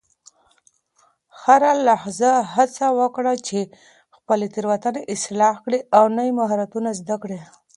هره لحظه هڅه وکړه چې خپلې تیروتنې اصلاح کړې او نوي مهارتونه زده کړې.